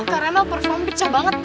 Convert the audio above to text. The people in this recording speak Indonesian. kak rema performa pecah banget